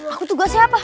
aku tugas siapa